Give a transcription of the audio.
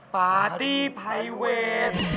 ปาร์ตี้ไพเวท